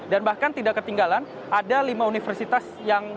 dan bahkan tidak ketinggalan ada lima universitas yang